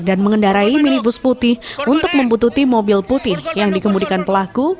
dan mengendarai minibus putih untuk membutuhkan mobil putih yang dikemudikan pelaku